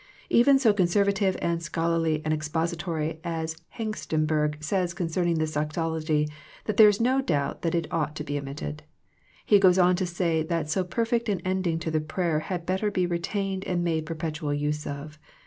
Even so conservative and scholarly an expositor as Hengstenberg says concerning this doxology that there is no doubt that it ought to be omitted. He goes on to say that so perfect an ending to the prayer had better be retained and made perpetual use of.